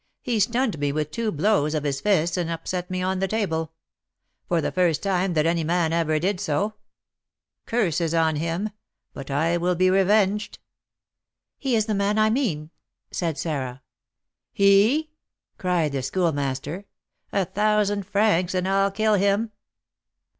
He stunned me with two blows of his fists, and upset me on the table, for the first time that any man ever did so. Curses on him! but I will be revenged." "He is the man I mean," said Sarah. "He?" cried the Schoolmaster, "a thousand francs, and I'll kill him."